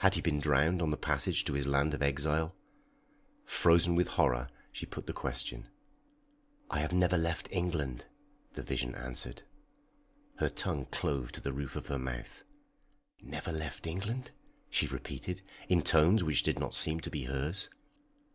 Had he been drowned on the passage to his land of exile? Frozen with horror, she put the question. "I have never left England!" the vision answered. Her tongue clove to the roof of her mouth. "Never left England?" she repeated, in tones which did not seem to be hers.